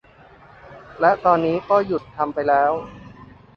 และตอนนี้ก็หยุดทำไปแล้ว